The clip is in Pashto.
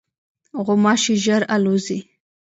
غوماشې ژر الوزي.